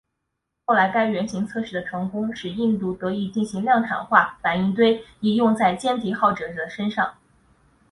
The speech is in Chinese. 后来该原型测试的成功使印度得以进行量产化反应堆以用在歼敌者号的身上。